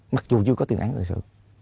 mặc dù chưa có tiền án tiền sự